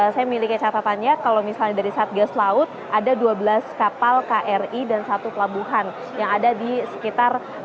saya miliki catatannya kalau misalnya dari satgas laut ada dua belas kapal kri dan satu pelabuhan yang ada di sekitar